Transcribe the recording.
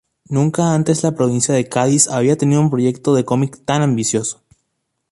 Nunca antes la provincia de Cádiz había tenido un proyecto de cómic tan ambicioso.